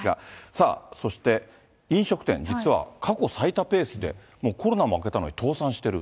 さあ、そして飲食店、実は過去最多ペースで、もうコロナも明けたのに倒産している。